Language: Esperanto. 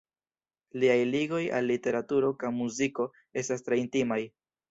Liaj ligoj al literaturo ka muziko estas tre intimaj.